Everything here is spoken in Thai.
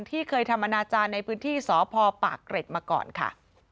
ที่เคยทำอนาจารย์ในพื้นที่สพปากเกร็ดมาก่อนค่ะ